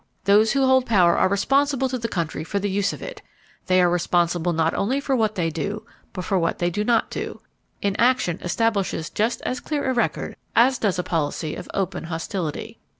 Those who hold power are responsible to the country for the use of it. They are responsible not only for what they do, but for what they do not do. Inaction establishes just as clear a record as does a policy of open hostility.